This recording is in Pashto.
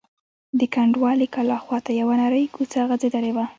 د کنډوالې کلا خواته یوه نرۍ کوڅه غځېدلې وه.